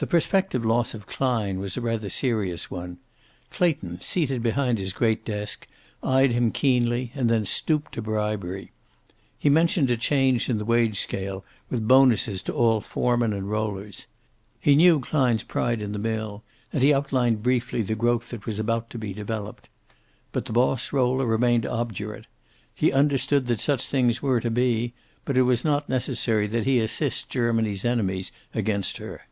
The prospective loss of Klein was a rather serious one. Clayton, seated behind his great desk, eyed him keenly, and then stooped to bribery. He mentioned a change in the wage scale, with bonuses to all foremen and rollers. He knew Klein's pride in the mill, and he outlined briefly the growth that was about to be developed. But the boss roller remained obdurate. He understood that such things were to be, but it was not necessary that he assist Germany's enemies against her.